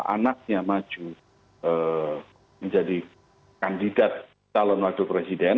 anaknya maju menjadi kandidat calon wakil presiden